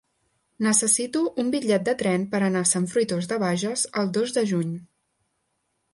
Necessito un bitllet de tren per anar a Sant Fruitós de Bages el dos de juny.